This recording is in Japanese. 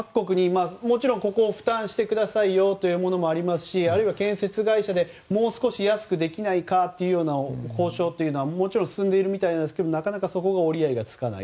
もちろん、ここを負担してくださいよというのもありますしありますし、あるいは建設会社でもう少し安くできないかという交渉はもちろん進んでいるみたいですがなかなか折り合いがつかないと。